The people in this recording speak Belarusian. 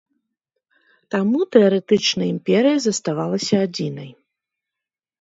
Таму тэарэтычна імперыя заставалася адзінай.